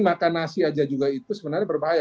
makan nasi aja juga itu sebenarnya berbahaya